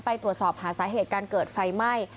ตรวจสอบหาสาเหตุการเกิดไฟไหม้